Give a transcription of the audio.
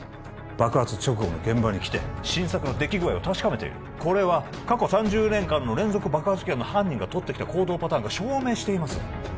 爆発直後の現場に来て新作の出来具合を確かめているこれは過去３０年間の連続爆破事件の犯人がとってきた行動パターンが証明しています